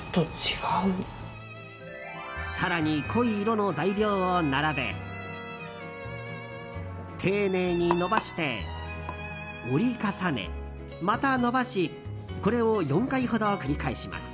更に、濃い色の材料を並べ丁寧に延ばして折り重ねまた延ばしこれを４回ほど繰り返します。